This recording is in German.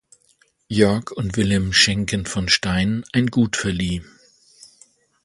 Jörg und Wilhelm Schenken von Stein ein Gut verlieh.